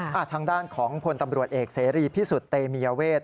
ทางด้านของพลตำรวจเอกเสรีพิสุทธิ์เตมียเวท